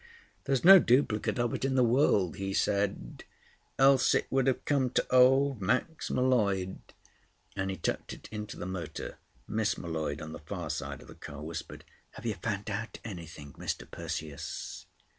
"There's no duplicate of it in the world," he said, "else it would have come to old Max M'Leod;" and he tucked it into the motor. Miss M'Leod on the far side of the car whispered, "Have you found out anything, Mr. Perseus?"